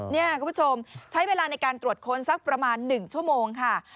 นี่คุณผู้ชมใช้เวลาในการตรวจค้นสักประมาณ๑ชั่วโมงค่ะ